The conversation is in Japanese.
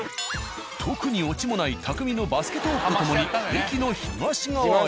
特にオチもないたくみのバスケトークと共に駅の東側へ。